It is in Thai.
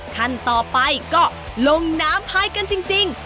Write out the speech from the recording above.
ขั้นต่อไปก็ลงน้ำพายกันจริง